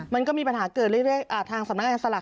มันก็มีปัญหาเกิดเรื่อยทางสำนักงานสลาก